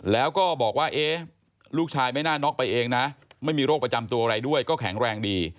แล้วก็บอกว่าลูกชายไม่น่าน็อกไปเองนะไม่มีโรคประจำตัวอะไรด้วยก็แข็งแรงดี